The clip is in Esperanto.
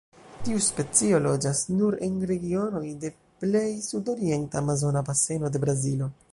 Tiu specio loĝas nur en regionoj de plej sudorienta Amazona Baseno de Brazilo.